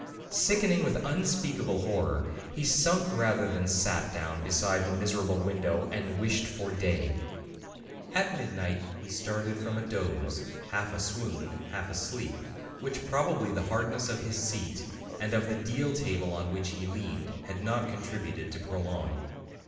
Sickening with unspeakable horror, he sunk rather than sat down beside the miserable window, and 'wished for day.' At midnight he started from a doze, half a swoon, half a sleep, which probably the hardness of his seat, and of the deal table on which he leaned, had not contributed to prolong.